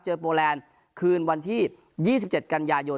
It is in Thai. โปแลนด์คืนวันที่๒๗กันยายน